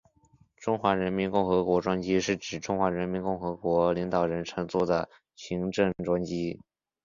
中华人民共和国专机是指中华人民共和国领导人乘坐的行政专机。